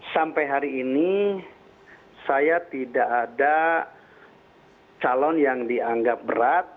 sampai hari ini saya tidak ada calon yang dianggap berat